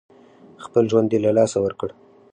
خپل ژوند یې له لاسه ورکړ.